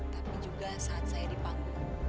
tapi juga saat saya di panggung